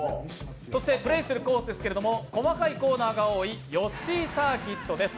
そしてプレーするコースですけど細かいコーナーが多いヨッシーサーキットです。